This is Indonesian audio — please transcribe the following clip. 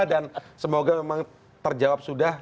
semoga memang terjawab sudah